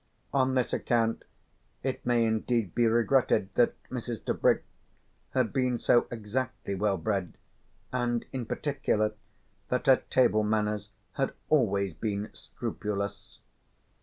On this account it may indeed be regretted that Mrs. Tebrick had been so exactly well bred, and in particular that her table manners had always been scrupulous.